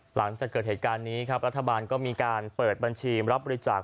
หลังจากเกิดเหตุการณ์นี้ครับรัฐบาลก็มีการเปิดบัญชีรับบริจาค